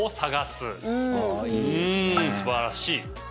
すばらしい。